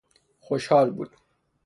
خوشحال بود